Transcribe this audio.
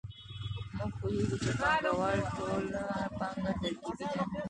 موږ پوهېږو چې د پانګوال ټوله پانګه ترکیبي ده